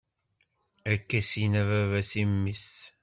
Akka is-yenna baba-s i mmi-s.